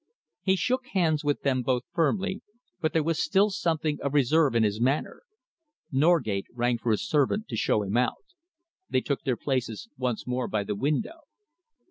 He shook hands with them both firmly, but there was still something of reserve in his manner. Norgate rang for his servant to show him out. They took their places once more by the window.